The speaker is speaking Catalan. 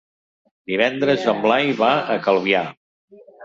Divendres en Blai va a Calvià.